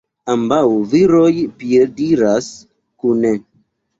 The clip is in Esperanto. Ambaŭ viroj piediras kune.